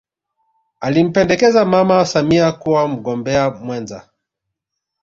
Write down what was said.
alimpendekeza mama samia kuwa mgombea mwenza